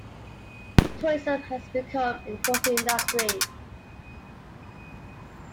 Tourism has become an important industry.